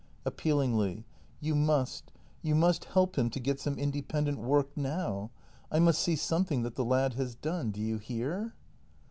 [Appealingly.] You must — you must help him to get some independent work now! I must see something that the lad has done. Do you hear